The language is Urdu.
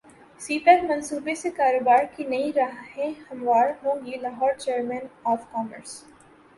سی پیک منصوبے سے کاروبار کی نئی راہیں ہموار ہوں گی لاہور چیمبر اف کامرس